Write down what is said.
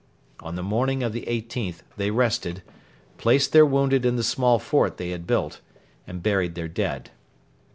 On the morning of the 18th they rested, placed their wounded in the small fort they had built, and buried their dead.